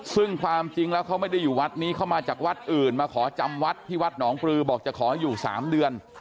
ซึ่งความจริงแล้วเขาไม่ได้อยู่วัดนี้เข้ามาจากวัดอื่นมาขอจำวัดที่วัดหนองปลือบอกจะขออยู่๓เดือน